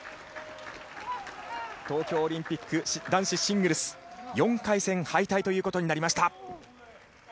東京オリンピック男子シングルス４回戦敗退ということになりました。